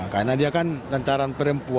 karena dia kan lancaran perempuan